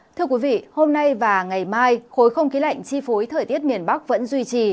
thưa quý vị hôm nay và ngày mai khối không khí lạnh chi phối thời tiết miền bắc vẫn duy trì